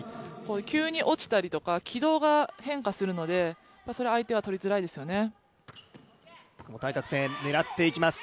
急に落ちたりとか、軌道が変化するので相手は取りづらいですよね。